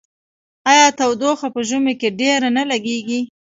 آیا تودوخه په ژمي کې ډیره نه لګیږي؟